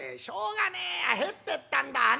しょうがねえや入ってったんだ。